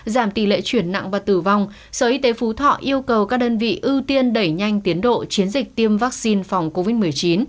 giảm tỷ lệ chuyển nặng và tử vong sở y tế phú thọ yêu cầu các đơn vị ưu tiên đẩy nhanh tiến độ chiến dịch tiêm vaccine phòng covid một mươi chín